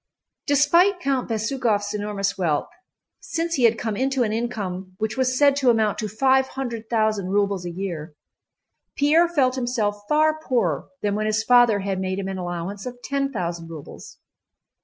Despite Count Bezúkhov's enormous wealth, since he had come into an income which was said to amount to five hundred thousand rubles a year, Pierre felt himself far poorer than when his father had made him an allowance of ten thousand rubles.